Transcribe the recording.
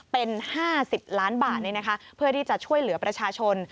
เป็น๕๐ล้านบาทเพื่อที่จะช่วยเหลือประชาชน